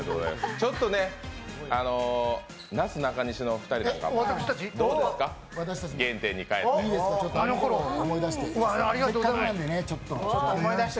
ちょっとね、なすなすなかのお二人、どうですか、原点に帰って。